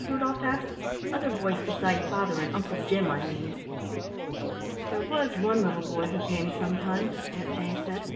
Rudolf asked. "Other boys beside father and Uncle Jim, I mean." "There was one little boy who came sometimes," Aunt Jane said.